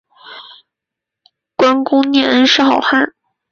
观功念恩是好汉